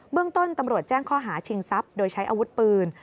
เมืองต้นตำรวจแจ้งข้อหาชิงทรัพย์โดยใช้อาวุธปืน